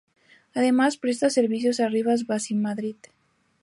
Además presta servicio a Rivas-Vaciamadrid.